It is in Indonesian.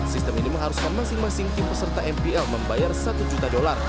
sistem ini mengharuskan masing masing tim peserta mpl membayar satu juta dolar